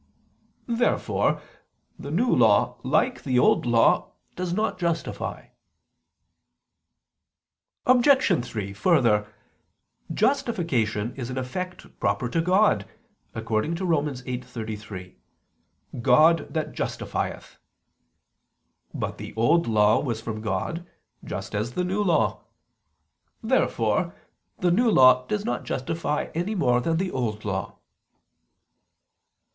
Therefore the New Law, like the Old Law, does not justify. Obj. 3: Further, justification is an effect proper to God, according to Rom. 8:33: "God that justifieth." But the Old Law was from God just as the New Law. Therefore the New Law does not justify any more than the Old Law.